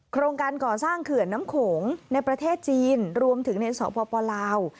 โครงการก่อสร้างเขื่อนน้ำโขงในประเทศจีนรวมถึงในสปลาว